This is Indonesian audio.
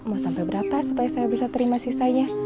mau sampai berapa supaya saya bisa terima sisanya